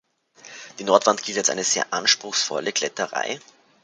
Die Nordwand gilt als sehr anspruchsvolle Kletterei.